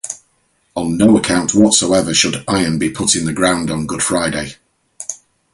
On no account whatsoever should iron be put in the ground on Good Friday.